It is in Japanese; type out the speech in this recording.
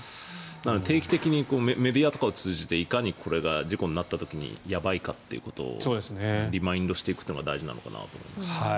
定期的にメディアとかを通じていかにこれが事故になった時にやばいかってことをリマインドしていくことが大事かなと思います。